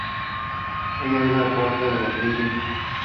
Ella es la cuarta de seis hijos.